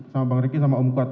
sama bang riki sama om kuat